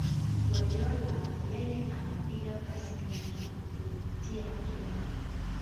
Guardiola yeye anapiga pasi nyingi kukutia kiwewe